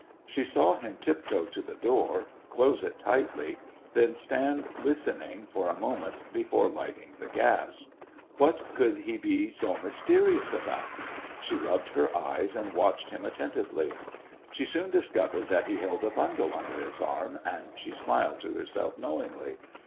She saw him tiptoe to the door, close it tightly, then stand listening for a moment before lighting the gas. What could he be so mysterious about? She rubbed her eyes and watched him attentively. She soon discovered that he held a bundle under his arm, and she smiled to herself knowingly.